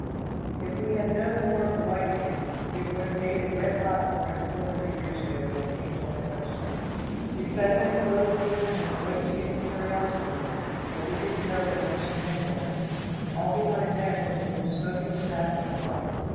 If we had known more of the white man, we would have made it red hot for him four hundred years ago when he came to our coast. We fed him and clothed him as a white skinned curiosity then, but we didn't know there were so many of him. All he wanted then was a little smoking tobacco and love.